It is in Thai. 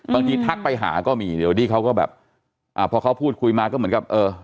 ทักไปหาก็มีเดี๋ยวนี้เขาก็แบบอ่าพอเขาพูดคุยมาก็เหมือนกับเออ